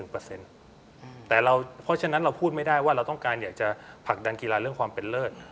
เพราะฉะนั้นเราพูดไม่ได้ว่าเราต้องการอยากจะผลักดันกีฬาเรื่องความเป็นเลิศ